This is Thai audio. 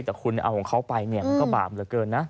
แต่คุณเอาของเขาไปเนี่ยมันก็บาปเหลือเกินนะ